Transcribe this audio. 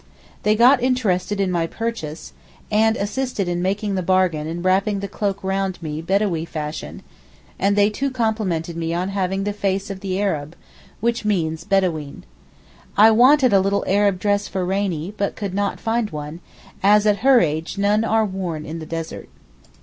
They got interested in my purchase, and assisted in making the bargain and wrapping the cloak round me Bedawee fashion, and they too complimented me on having 'the face of the Arab,' which means Bedaween. I wanted a little Arab dress for Rainie, but could not find one, as at her age none are worn in the desert.